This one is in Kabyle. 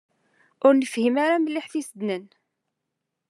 Ur nefhim ara mliḥ tisednan.